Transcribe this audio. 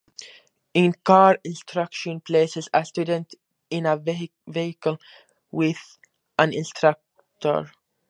In-car instruction places a student in a vehicle with an instructor.